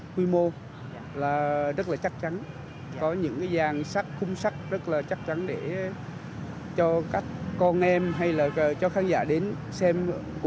xưa là cái rạp là nó hơi bị củ